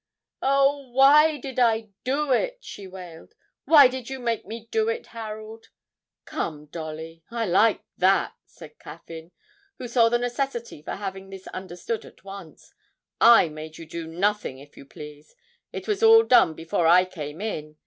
'Oh, why did I do it?' she wailed; 'why did you make me do it, Harold?' 'Come, Dolly, I like that,' said Caffyn, who saw the necessity for having this understood at once. 'I made you do nothing, if you please it was all done before I came in.